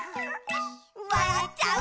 「わらっちゃう」